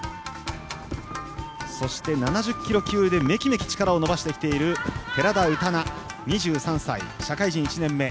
そして、７０キロ級でめきめき力を伸ばしてきている寺田宇多菜２７歳、社会人１年目。